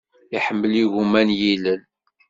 Iḥemmel igumma n yilel.